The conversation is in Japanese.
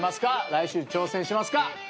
来週挑戦しますか？